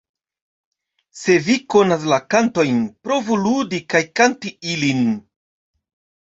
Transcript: Se vi konas la kantojn, provu ludi kaj kanti ilin!